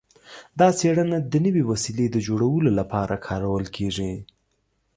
دا څیړنه د نوې وسیلې د جوړولو لپاره کارول کیږي.